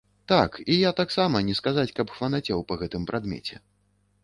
Так, і я таксама не сказаць, каб фанацеў па гэтым прадмеце.